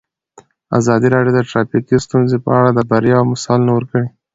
ازادي راډیو د ټرافیکي ستونزې په اړه د بریاوو مثالونه ورکړي.